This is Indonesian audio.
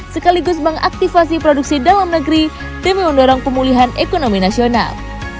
sekaligus mengaktifasi produksi dalam negeri demi mendorong pemulihan ekonomi nasional